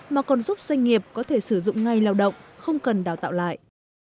mà còn giúp doanh nghiệp có thể sử dụng ngay lao động không cần đào tạo lại